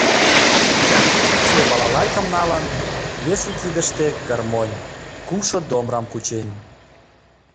Ик икшыве балалайкым налын, весын кидыште — гармонь, кумшо домрам кучен.